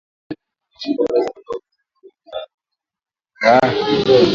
Lakini Brig Ekenge amesema katika taarifa kwamba wana taarifa za kuaminika sana